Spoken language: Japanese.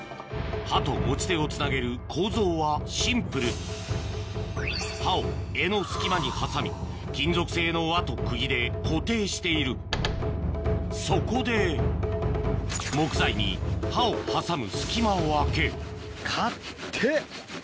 刃と持ち手をつなげる構造はシンプル刃を柄の隙間に挟み金属製の輪と釘で固定しているそこで木材に刃を挟む隙間を開けかってぇ！